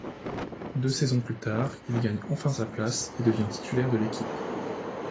Deux saisons plus tard, il gagne enfin sa place et devient titulaire de l'équipe.